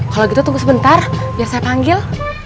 kalau gitu tunggu sebentar biar saya panggil